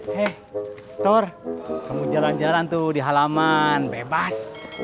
hei thor kamu jalan jalan tuh di halaman bebas